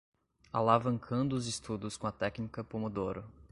Alavancando os estudos com a técnica pomodoro